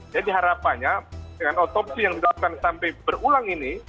jadi harapannya dengan otopsi yang dilakukan sampai berulang ini